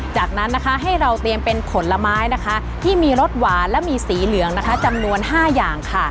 จากนั้นนะคะให้เราเตรียมเป็นผลไม้นะคะที่มีรสหวานและมีสีเหลืองนะคะจำนวน๕อย่างค่ะ